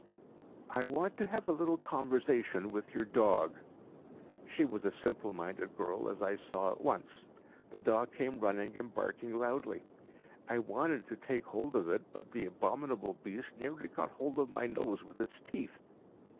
"I want to have a little conversation with your dog." She was a simple minded girl, as I saw at once. The dog came running and barking loudly. I wanted to take hold of it, but the abominable beast nearly caught hold of my nose with its teeth.